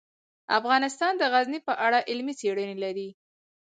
افغانستان د غزني په اړه علمي څېړنې لري.